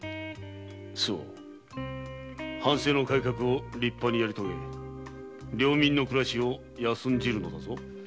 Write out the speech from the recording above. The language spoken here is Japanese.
周防藩政の改革を立派にやりとげ領民の暮らしを安んじるのだぞ。